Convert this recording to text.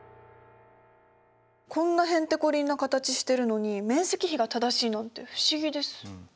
こんなへんてこりんな形してるのに面積比が正しいなんて不思議です。